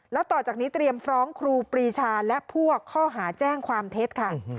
แล้วต่อจากนี้เตรียมฟ้องครูปรีชาและพวกข้อหาแจ้งความเท็จค่ะ